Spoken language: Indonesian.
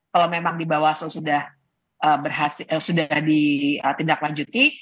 kalau memang di bawah selu sudah di tindaklanjuti